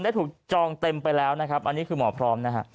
ได้ถูกจองเต็มไปแล้วอันนี้คือหมอพร้อม